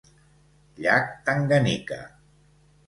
Llac Tanganyika.